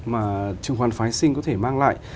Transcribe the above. mà chứng khoán phái sinh có thể mang lại